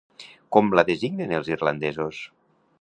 Com la designen els irlandesos?